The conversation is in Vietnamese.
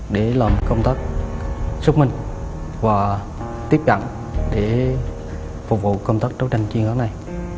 để làm công tác xúc minh và tiếp cận để phục vụ công tác chấu tranh chiến hóa này